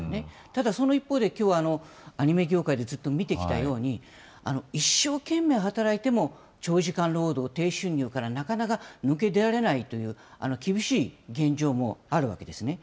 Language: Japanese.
ただその一方で、きょう、アニメ業界でずっと見てきたように、一生懸命働いても長時間労働、低収入からなかなか抜け出られないという、厳しい現状もあるわけですね。